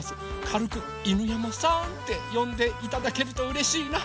かるく「犬山さん」ってよんでいただけるとうれしいな。